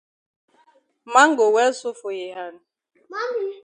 Man go well so for yi hand?